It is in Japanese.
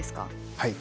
はい。